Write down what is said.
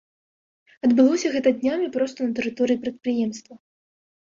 Адбылося гэта днямі проста на тэрыторыі прадпрыемства.